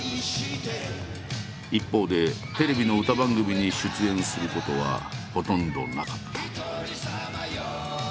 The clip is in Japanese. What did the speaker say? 一方でテレビの歌番組に出演することはほとんどなかった。